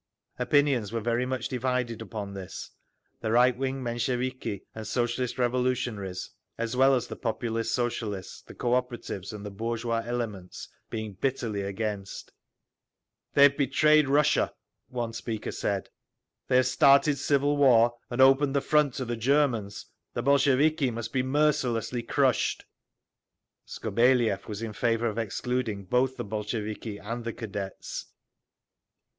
Opinions were very much divided upon this, the right wing Mensheviki and Socialist Revolutionaries, as well as the Populist Socialists, the Cooperatives and the bourgeois elements being bitterly against…. "They have betrayed Russia," one speaker said. "They have started civil war and opened the front to the Germans. The Bolsheviki must be mercilessly crushed…." Skobeliev was in favor of excluding both the Bolsheviki and the Cadets.